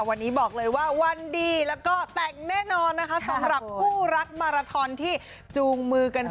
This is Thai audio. วันนี้บอกเลยว่าวันดีแล้วก็แต่งแน่นอนนะคะสำหรับคู่รักมาราทอนที่จูงมือกัน